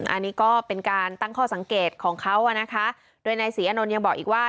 อันนี้ก็เป็นการตั้งข้อสังเกตของเขาอ่ะนะคะโดยนายศรีอานนท์ยังบอกอีกว่า